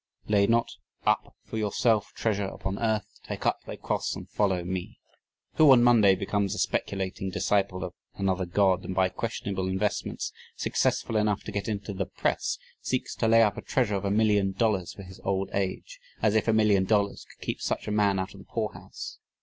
lay not up for yourself treasure upon earth ... take up thy cross and follow me"; who on Monday becomes a "speculating" disciple of another god, and by questionable investments, successful enough to get into the "press," seeks to lay up a treasure of a million dollars for his old age, as if a million dollars could keep such a man out of the poor house.